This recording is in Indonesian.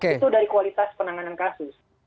itu dari kualitas penanganan kasus